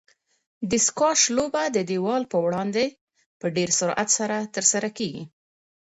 د سکواش لوبه د دیوال په وړاندې په ډېر سرعت سره ترسره کیږي.